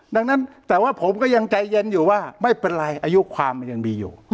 ดังนั้นแต่ว่าผมก็ยังใจเย็นอยู่ว่าไม่เป็นไรอายุความมันยังมีอยู่